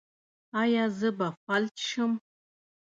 ایا زه به فلج شم؟